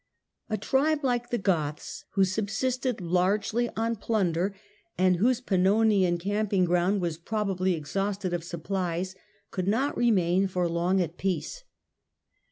A tribe like the Goths, who subsisted largely on plunder, and whose Pannonian camping ground was probably exhausted of supplies, could not remain for long at peace.